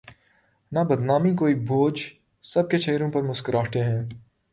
نہ بدنامی کوئی بوجھ سب کے چہروں پر مسکراہٹیں ہیں۔